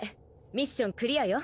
ミッションクリアよ。